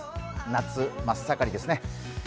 夏真っ盛りですね。